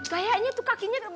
kayaknya tuh kakinya berlesen